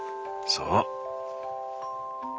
そう。